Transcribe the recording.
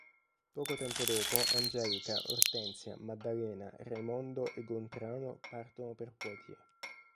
Poco tempo dopo Angelica, Ortensia, Maddalena, Raimondo e Gontrano partono per Poitiers.